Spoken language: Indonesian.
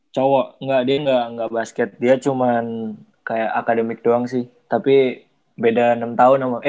cowok engga dia engga basket dia cuman kayak academic doang sih tapi beda enam tahun eh lima tahun sama gue